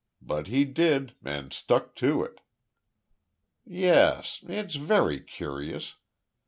But he did and stuck to it." "Yes. It's certainly curious.